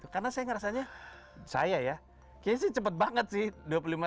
karena saya ngerasanya saya ya kayaknya sih cepat banget sih dua puluh lima tahun dari yang tadinya